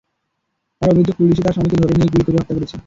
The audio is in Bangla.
তাঁর অভিযোগ, পুলিশই তাঁর স্বামীকে ধরে নিয়ে গুলি করে হত্যা করেছে।